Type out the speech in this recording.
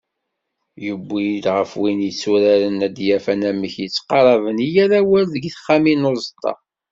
Yewwi-d ɣef win yetturaren ad d-yaf anamek yettqaṛaben i yal awal deg texxamin n uẓeṭṭa.